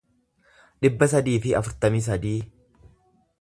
dhibba sadii fi afurtamii sadii